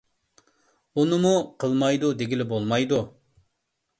بۇنىمۇ قىلمايدۇ دېگىلى بولمايدۇ.